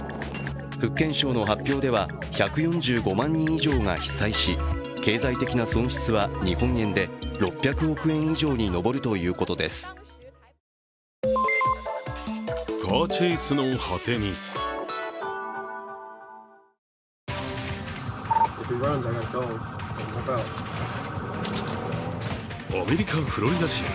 福建省の発表では１４５万人以上が被災し、経済的な損失は日本円で６００億円以上に上るということですアメリカ・フロリダ州。